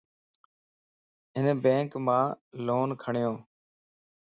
ھن بينڪ مان لون کَڙيوَ